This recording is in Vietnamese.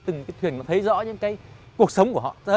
từng cái thuyền mà thấy rõ những cái cuộc sống của họ